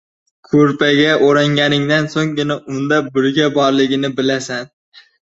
• Ko‘rpaga o‘ranganingdan so‘nggina unda burga borligini bilasan.